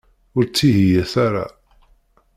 Ur ttihiyet ara.